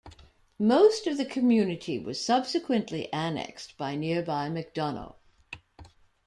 Most of the community was subsequently annexed by nearby McDonough.